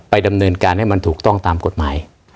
ดำเนินการให้มันถูกต้องตามกฎหมาย